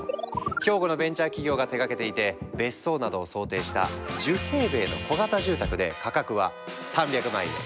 兵庫のベンチャー企業が手がけていて別荘などを想定した１０平米の小型住宅で価格は３００万円。